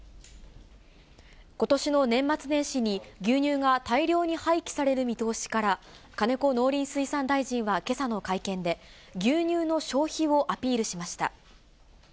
ことしの年末年始に牛乳が大量に廃棄される見通しから金子農林水産大臣はけさの会見で、牛乳の消費をアピールしました。